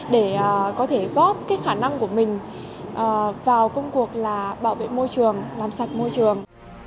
để có thể góp cái khả năng của mình vào công cuộc là bảo vệ môi trường làm sạch môi trường